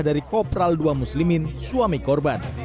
dari kopral ii muslimin suami korban